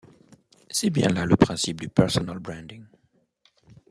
C’est bien là le principe du Personal Branding.